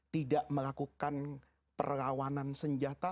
tidak melakukan perlawanan senjata